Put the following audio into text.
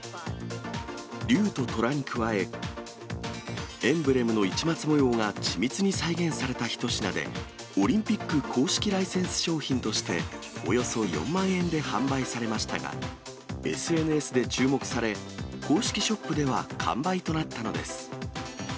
竜と虎に加え、エンブレムの市松模様が緻密に再現された一品で、オリンピック公式ライセンス商品として、およそ４万円で販売されましたが、ＳＮＳで注目され、公式ショップでは完売となったのです。